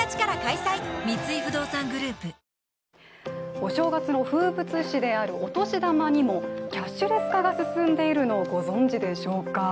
お正月の風物詩であるお年玉にもキャッシュレス化が進んでいるのをご存じでしょうか？